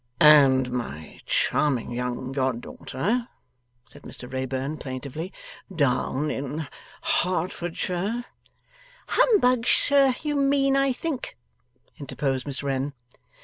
'And my charming young goddaughter,' said Mr Wrayburn plaintively, 'down in Hertfordshire ' ['Humbugshire you mean, I think,' interposed Miss Wren.)